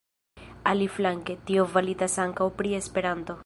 Aliflanke, tio validas ankaŭ pri Esperanto.